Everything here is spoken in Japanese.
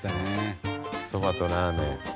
そばとラーメン。